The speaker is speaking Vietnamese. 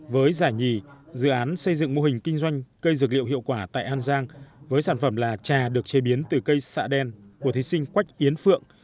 với giải nhì dự án xây dựng mô hình kinh doanh cây dược liệu hiệu quả tại an giang với sản phẩm là trà được chế biến từ cây xạ đen của thí sinh quách yến phượng